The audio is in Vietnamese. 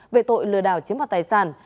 về tội lừa đảo chiếm đoạt tài sản